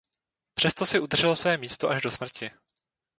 Přesto si udržel své místo až do smrti.